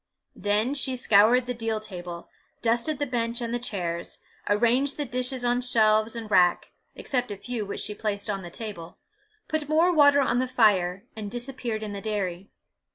Then she scoured the deal table, dusted the bench and the chairs, arranged the dishes on shelves and rack, except a few which she placed on the table, put more water on the fire, and disappeared in the dairy.